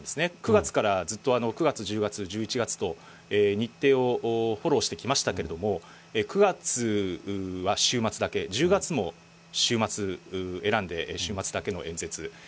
９月からずっと、９月、１０月、１１月と、日程をフォローしてきましたけれども、９月は週末だけ、１０月も週末、選んで週末だけの演説。